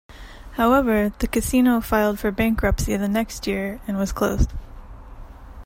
However, the casino filed for bankruptcy the next year and was closed.